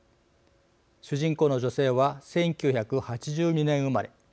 主人公の女性は１９８２年生まれ。